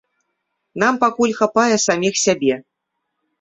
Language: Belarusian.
Нам пакуль хапае саміх сябе.